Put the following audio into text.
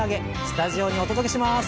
スタジオにお届けします！